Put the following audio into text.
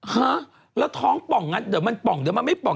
ฮะแล้วท้องป่องงั้นเดี๋ยวมันป่องเดี๋ยวมันไม่ป่อง